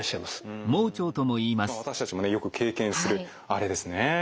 私たちもねよく経験するあれですね。